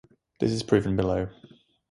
This is proven below.